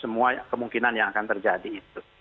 semua kemungkinan yang akan terjadi itu